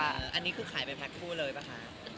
อันนี้คือขายไปแพ็คคู่เลยป่ะคะ